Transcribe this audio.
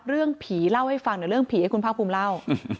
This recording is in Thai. เรื่องผีเล่าให้ฟังเดี๋ยวเรื่องผีให้คุณภาคภูมิเล่า